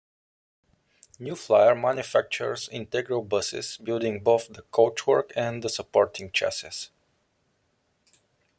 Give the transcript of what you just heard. New Flyer manufactures integral buses, building both the coachwork and the supporting chassis.